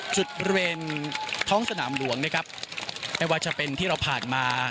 บริเวณท้องสนามหลวงนะครับไม่ว่าจะเป็นที่เราผ่านมา